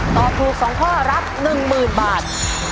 ตอบถูก๒ข้อรับ๑๐๐๐บาท